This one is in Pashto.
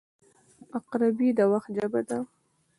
• عقربې د وخت ژبه ده.